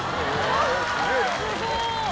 すごい。